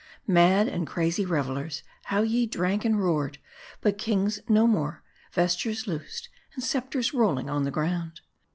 Mad and erazy revelers, how ye drank and roared ! but kings no more : vestures loosed ; and scepters rolling on the ground.